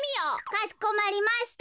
「かしこまりました。